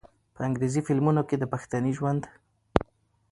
په انګرېزي فلمونو کښې د پښتني ژوند